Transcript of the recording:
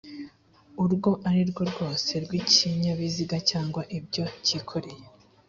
urwo arirwo rwose rw ikinyabiziga cyangwa ibyo cyikoreye